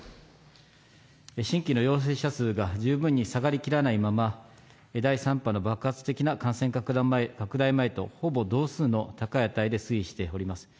新規の陽性者数が十分に下がりきらないまま、第３波の爆発的な感染拡大前とほぼ同数の高い値で推移しております。